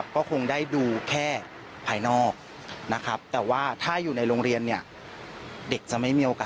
ฟังเสียงคุณแม่และก็น้องที่เสียชีวิตค่ะ